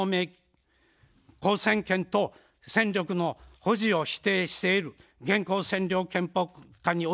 交戦権と戦力の保持を否定している現行占領憲法下においては